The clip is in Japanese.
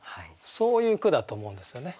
そういう句だと思うんですよね。